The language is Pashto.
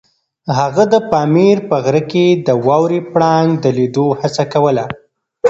هغه د پامیر په غره کې د واورې پړانګ د لیدو هڅه کوله.